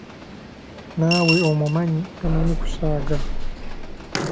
Naawe omumanyi tamanyi kusaaga!